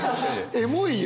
エモいよ。